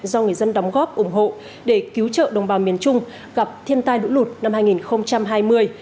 do người dân đóng góp ủng hộ để cứu trợ đồng bào miền trung gặp thiên tai lũ lụt năm hai nghìn hai mươi